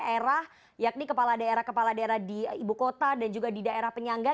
daerah yakni kepala daerah kepala daerah di ibu kota dan juga di daerah penyangga